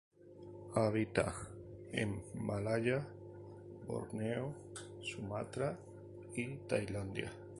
Habita en Malaya, Borneo, Sumatra y Tailandia.